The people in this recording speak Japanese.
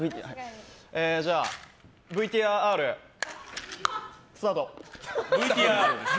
じゃあ、ＶティアＲスタート！